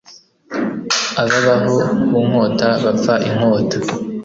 Ababaho ku nkota bapfa inkota.